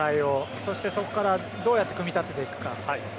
そしてそこからどうやって組み立てていくか。